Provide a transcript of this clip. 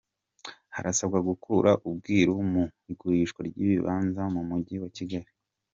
Harasabwa gukura ubwiru mu igurishwa ry’ibibanza mu mujyi wa Kigali